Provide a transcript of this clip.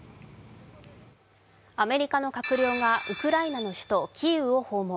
アメリカの閣僚がウクライナの首都キーウを訪問。